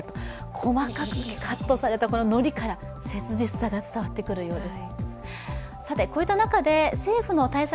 細かくカットされたのりから切実さが伝わってくるようです。